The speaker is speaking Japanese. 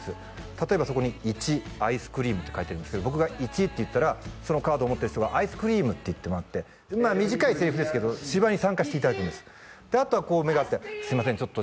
例えばそこに「１アイスクリーム」って書いてるんですけど僕が「１」って言ったらそのカードを持ってる人が「アイスクリーム」って言ってもらってまあ短いセリフですけど芝居に参加していただくんですであとはこう目が合って「すいませんちょっと」